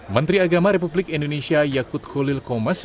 menteri agama republik indonesia yakut kholil komas